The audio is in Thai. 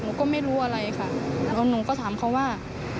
หนูก็ไม่รู้อะไรค่ะแล้วหนูก็ถามเขาว่า